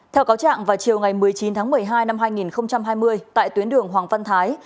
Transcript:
theo cáo trạng vào chiều một mươi chín tháng một mươi hai năm hai nghìn hai mươi